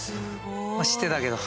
知ってたけど。